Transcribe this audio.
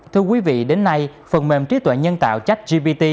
thưa quý vị đến nay phần mềm trí tuệ nhân tạo chat gpt